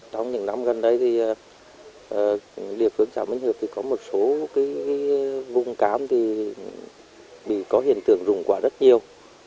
trong những năm gần đây địa phương trà minh hợp có một số vùng cam có hiện tượng rủng quả rất nhiều